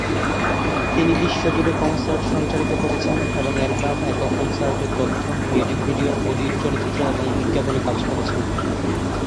তিনি বিশ্বজুড়ে কনসার্ট সঞ্চালিত করেছেন এবং অ্যালবাম, একক, কনসার্টের তথ্য, মিউজিক ভিডিও, বলিউড চলচ্চিত্র এবং বিজ্ঞাপনে কাজ করেছেন।